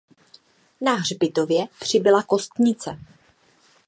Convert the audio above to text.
Na hřbitově přibyla kostnice.